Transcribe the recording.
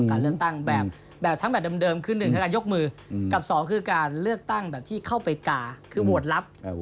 การเลือกตั้งแบบทั้งแบบเดิมคือ๑ธนายยกมือกับ๒คือการเลือกตั้งแบบที่เข้าไปกาคือโหวตลับ